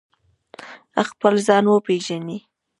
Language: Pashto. خپل ځان وپیژنئ